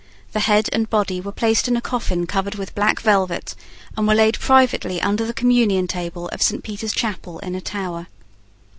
The head and body were placed in a coffin covered with black velvet, and were laid privately under the communion table of Saint Peter's Chapel in the Tower.